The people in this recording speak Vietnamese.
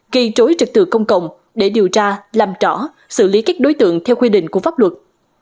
gây rối trực tự công cộng để điều tra làm rõ xử lý các đối tượng theo quy định của pháp luật